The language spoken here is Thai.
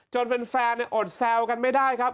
จนแฟนเนี่ยอดแซวกันไม่ได้ครับ